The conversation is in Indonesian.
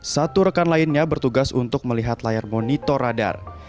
satu rekan lainnya bertugas untuk melihat layar monitor radar